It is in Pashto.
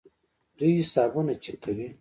دوی حسابونه چک کوي.